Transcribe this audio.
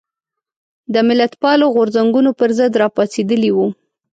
د ملتپالو غورځنګونو پر ضد راپاڅېدلي وو.